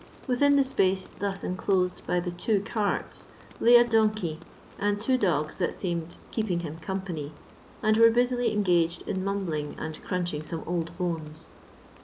Within the space thus inclosed by the two carts lay a donkey and two dogs, that seemed keeping him company, and were busily engaged in mumbling and crunching some old bones.